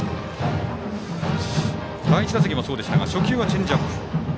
第１打席もそうでしたが初球はチェンジアップ。